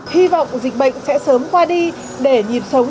hy vọng dịch bệnh sẽ sớm qua đi để nhịp sống